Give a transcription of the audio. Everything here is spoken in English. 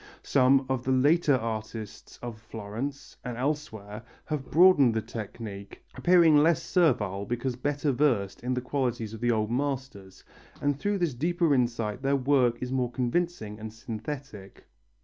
Some of the later artists of Florence, and elsewhere, have broadened the technique, appearing less servile because better versed in the qualities of the old masters, and through this deeper insight their work is more convincing and synthetic.